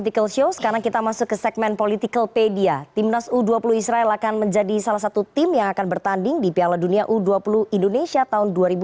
tim liputan cnn indonesia